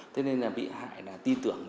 thế nên là bị hại là tin tưởng